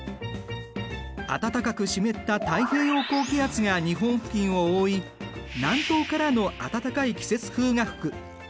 暖かく湿った太平洋高気圧が日本付近を覆い南東からの暖かい季節風が吹く。